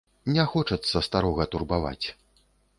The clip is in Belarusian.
Не хочацца старога турбаваць.